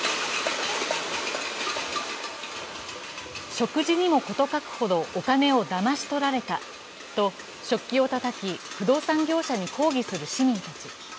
食事にも事欠くほどお金をだまし取られたと、食器をたたき、不動産業者に抗議する市民たち。